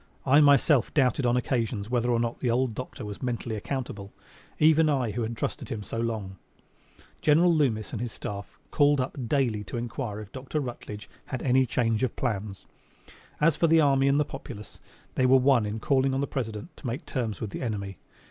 I myself doubted on occasions whether or not the old doctor was mentally accountable even I who had trusted him so long. General Loomis and his staff called up daily to inquire if Dr. Rutledge had any change of plans. As for the army and the populace, they were one in calling on the President to make terms with the enemy.